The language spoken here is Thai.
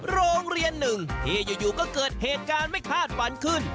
โรงเรียนหนึ่งที่อยู่ก็เกิดเหตุการณ์ไม่คาดฝันขึ้น